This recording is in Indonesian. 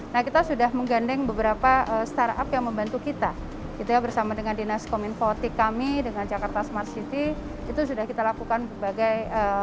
nah kita sudah menggandeng beberapa startup yang membantu kita gitu ya bersama dengan dinas kominfotik kami dengan jakarta smart city itu sudah kita lakukan berbagai